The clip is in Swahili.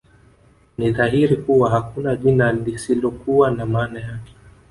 Ni dhahiri kuwa hakuna jina lisilokuwa na maana yake